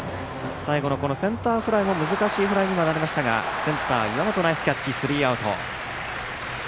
最後のセンターフライも難しい打球にはなりましたがセンターとってスリーアウト。